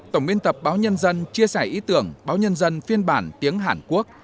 tổng biên tập báo nhân dân chia sẻ ý tưởng báo nhân dân phiên bản tiếng hàn quốc